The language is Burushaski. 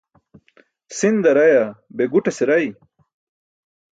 Si̇nda rayaa, bee guṭase ray?